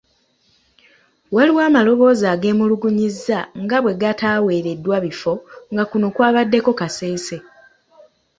Waliwo amaloboozi ageemulugunyizza nga bwe gataaweereddwa bifo nga kuno kwabaddeko Kasese.